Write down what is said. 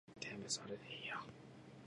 全部それでいいよ